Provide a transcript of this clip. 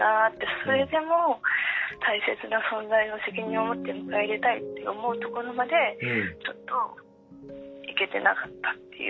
それでも大切な存在を責任を持って迎え入れたいって思うところまでちょっと行けてなかったっていう。